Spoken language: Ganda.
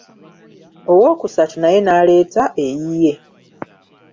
Owookusatu naye n'aleeta eyiye.